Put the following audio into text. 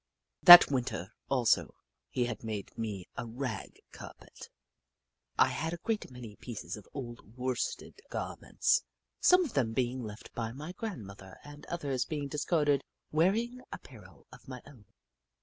That Winter, also, he made me a rag car pet. I had a great many pieces of old worsted garments, some of them being left by my grandmother and others being discarded wear ing apparel of my own.